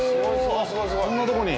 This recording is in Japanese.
あんなところに。